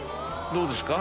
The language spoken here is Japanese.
どうですか？